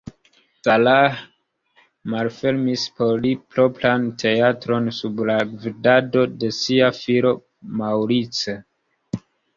Sarah malfermis por li propran teatron sub la gvidado de sia filo Maurice.